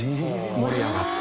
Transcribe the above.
盛り上がって。